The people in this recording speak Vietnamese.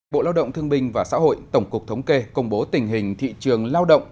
bộ lao động thương binh và xã hội tổng cục thống kê công bố tình hình thị trường lao động